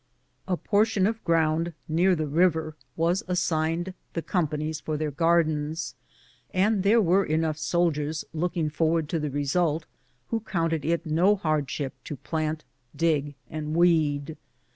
A portion of ground near the river was assigned the companies for their gardens, and there were enough soldiers looking forward to the result who counted it no hardshi]) to plant, dig, and weed.